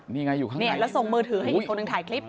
นี่ค่ะแล้วส่งมือถือให้อีกคนถ่ายคลิป